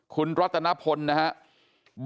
คุณรัตนพลนะครับ